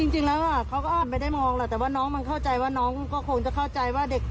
จริงแล้วเขาก็อาจไม่ได้มองหรอกแต่ว่าน้องมันเข้าใจว่าน้องก็คงจะเข้าใจว่าเด็ก